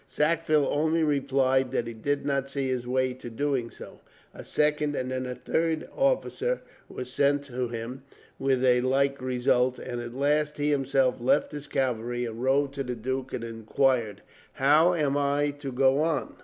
Sackville only replied that he did not see his way to doing so. A second and then a third officer were sent to him, with a like result, and at last he himself left his cavalry and rode to the duke and inquired: "How am I to go on?"